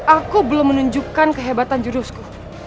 aku belum menunjukkan kehebatan jurusku